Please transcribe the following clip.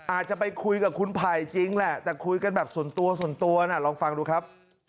อาจจะไปคุยกับคุณไผ่จริงแหละแต่คุยกันแบบส่วนตัวส่วนตัวน่ะลองฟังดูครับ